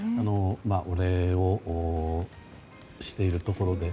お礼をしているところで。